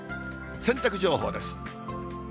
洗濯情報です。